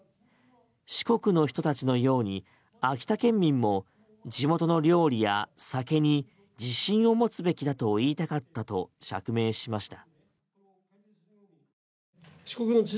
四国の人たちのように秋田県民も地元の料理や酒に自信を持つべきだと言いたかったと釈明しました。